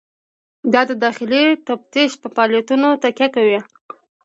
دا د داخلي تفتیش په فعالیتونو تکیه کوي.